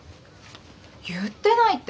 言ってないって。